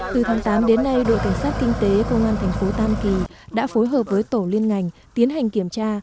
từ tháng tám đến nay đội cảnh sát kinh tế công an thành phố tam kỳ đã phối hợp với tổ liên ngành tiến hành kiểm tra